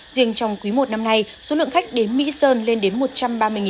riêng trong quý i năm nay số lượng khách đến mỹ sơn lên đến